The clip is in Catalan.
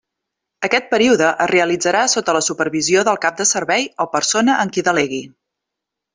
Aquest període es realitzarà sota la supervisió del Cap de Servei o persona en qui delegui.